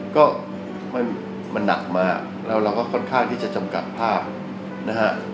ก็มันหนักมากแล้วเราก็ค่อนข้างที่จะจำกัดภาพนะฮะ